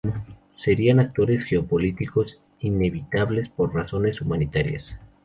Serían actores geopolíticos inevitables por razones humanitarias.